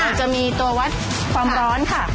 จะมีตัววัดความร้อนค่ะ